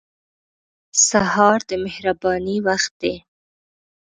سهار د مهربانۍ وخت دی.